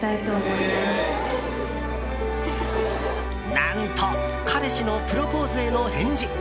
何と彼氏のプロポーズへの返事。